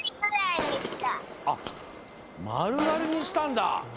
あっまるがりにしたんだ！